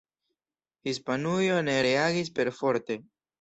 Hispanujo ne reagis perforte.